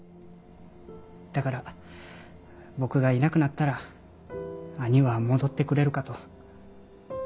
だから僕がいなくなったら兄は戻ってくれるかと。